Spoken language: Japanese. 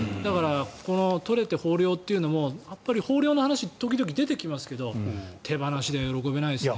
この取れて豊漁というのも豊漁の話、時々、出てきますけど手放しでは喜べないですね。